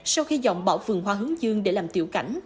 sau khi dọn bão phường hoa hướng dương để làm tiểu cảnh